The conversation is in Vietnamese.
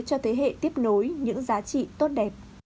cho thế hệ tiếp nối những giá trị tốt đẹp